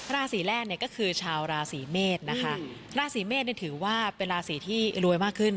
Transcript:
ราศีแรกเนี่ยก็คือชาวราศีเมษนะคะราศีเมษเนี่ยถือว่าเป็นราศีที่รวยมากขึ้น